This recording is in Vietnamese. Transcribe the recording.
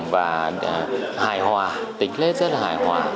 và hài hòa tính lết rất là hài hòa